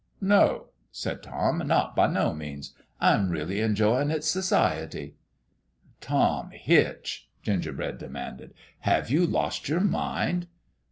" No," said Tom ;" not by no means. I'm really enjoyin' its society." "Tom Hitch," Gingerbread demanded, "have you lost your mind?"